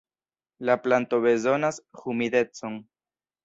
La planto bezonas humidecon.